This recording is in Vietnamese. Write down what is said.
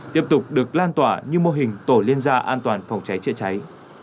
tiếp tục được lan tỏa như mô hình tổ liên gia an toàn phòng cháy chữa cháy